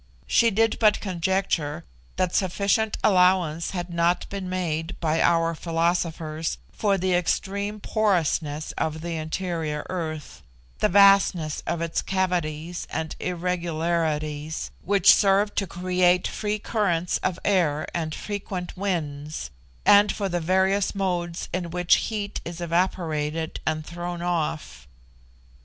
She did but conjecture that sufficient allowance had not been made by our philosophers for the extreme porousness of the interior earth the vastness of its cavities and irregularities, which served to create free currents of air and frequent winds and for the various modes in which heat is evaporated and thrown off.